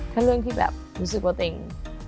แค่เรื่องที่แบบรู้สึกว่าตัวเอง